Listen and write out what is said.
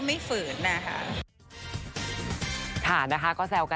โอ้โหโอ้โหโอ้โหโอ้โห